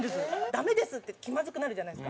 「ダメです」って気まずくなるじゃないですか。